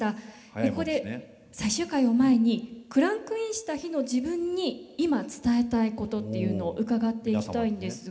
ここで最終回を前にクランクインした日の自分に今伝えたいことっていうのを伺っていきたいんですが。